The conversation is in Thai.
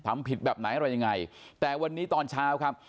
ทำผิดแบบไหนอะไรยังไงแต่วันนี้ตอนเช้าครับ